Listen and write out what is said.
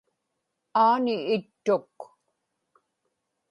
aani ittuk